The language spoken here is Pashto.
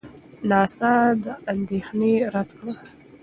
ناسا دا اندېښنه رد کړه.